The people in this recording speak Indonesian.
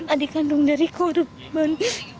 adik kandung dari korban